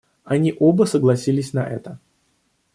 Они оба согласились на это.